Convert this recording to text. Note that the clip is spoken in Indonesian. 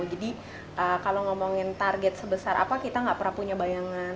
jadi kalau ngomongin target sebesar apa kita nggak pernah punya bayangan